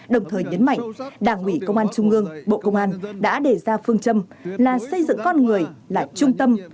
đồng thời nhấn mạnh đảng ủy công an trung ương bộ công an đã đề ra phương châm là xây dựng con người là trung tâm